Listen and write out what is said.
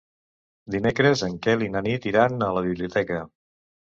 Dimecres en Quel i na Nit iran a la biblioteca.